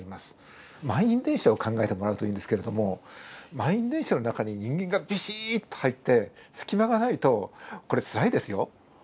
満員電車を考えてもらうといいんですけれども満員電車の中に人間がビシッと入って隙間がないとこれつらいですよ。